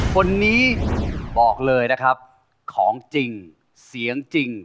คนนี้บอกเลยนะครับของจริงเสียงจริง